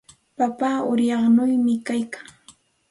Papa ayrumpiyuqñami kaykan.